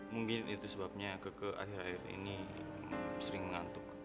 mungkin itu sebabnya kike akhir akhir ini sering ngantuk